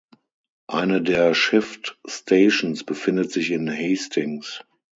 Eine der Shift Stations befindet sich in Hastings.